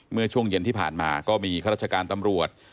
เมื่อช่วงเย็นที่ผ่านมาก็มีข้าราชการตำรวจ